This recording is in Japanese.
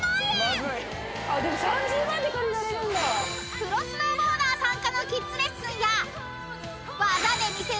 ［プロスノーボーダー参加のキッズレッスンや技で魅せる］